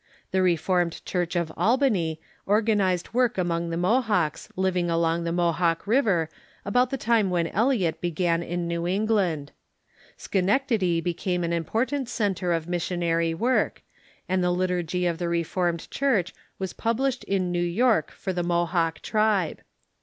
Tile Reformed Chnrch of Albany organized work among the Mohawks living along the Mohawk River about '" Coion'ier" ^^®^^"^^'^^'^^^'^^^^^^ began in New England. Sche nectady became an important centre of missionary w^ork, and the Liturgy of the Reformed Church was published in New York for the Mohawk tribe.